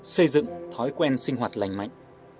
xây dựng thói quen sinh hoạt lành mạnh